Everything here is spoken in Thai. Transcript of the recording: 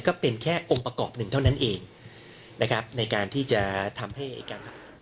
ก็เป็นแค่องค์ประกอบหนึ่งเท่านั้นเองนะครับในการที่จะทำให้การหัก